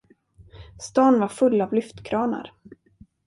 Stan var full av lyftkranar.